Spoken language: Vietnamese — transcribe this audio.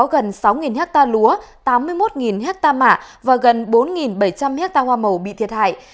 gần sáu hectare lúa tám mươi một hectare mạ và gần bốn bảy trăm linh hectare hoa màu bị thiệt hại